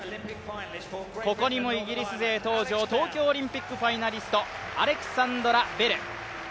ここにもイギリス勢登場、東京オリンピックファイナリスト、アレクサンドラ・ベル。